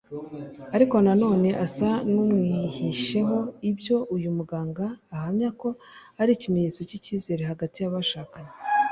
ariko na none asa n’umwihisheho ibyo uyu muganga ahamya ko ari ikimenyetso cy’icyizere hagati y’abashakanye